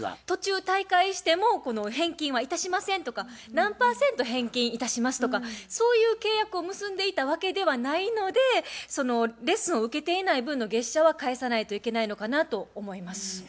途中退会しても返金はいたしませんとか何パーセント返金いたしますとかそういう契約を結んでいたわけではないのでそのレッスンを受けていない分の月謝は返さないといけないのかなと思います。